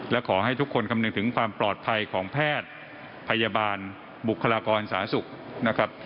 และขอให้ทุกคนคำนึงถึงความปลอดภัยของแพทย์พยาบาลบุคลากรสาธารณสุขนะครับ